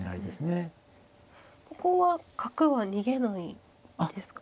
ここは角は逃げないんですか。